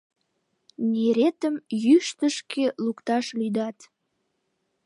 Неретым йӱштышкӧ лукташ лӱдат.